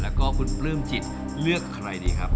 แล้วก็คุณปลื้มจิตเลือกใครดีครับ